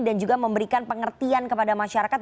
dan juga memberikan pengertian kepada masyarakat